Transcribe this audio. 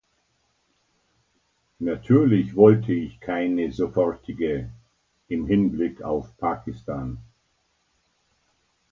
Natürlich wollte ich keine sofortige im Hinblick auf Pakistan.